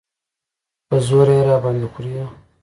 په زوره یې راباندې خورې.